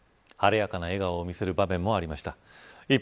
晴れやかな笑顔を見せる場面もありました。